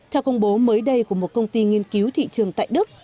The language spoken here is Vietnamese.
theo công bố mới đây của một công ty nghiên cứu thị trường tại đức